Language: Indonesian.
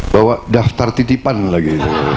bawa daftar titipan lagi